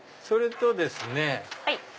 それとですね。